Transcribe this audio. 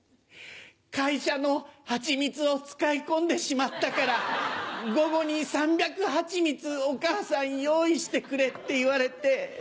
会社の蜂蜜を使い込んでしまったから午後に３００蜂蜜お母さん用意してくれって言われて。